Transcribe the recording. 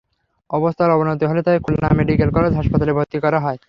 অবস্থার অবনতি হলে তাঁকে খুলনা মেডিকেল কলেজ হাসপাতালে ভর্তি করা হয়।